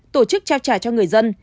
tổ chức trao trả cho người dân